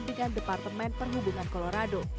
dengan departemen perhubungan colorado